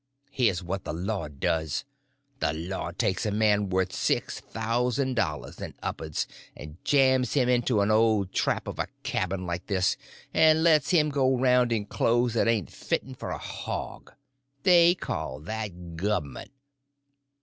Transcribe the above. Here's what the law does: The law takes a man worth six thousand dollars and up'ards, and jams him into an old trap of a cabin like this, and lets him go round in clothes that ain't fitten for a hog. They call that govment!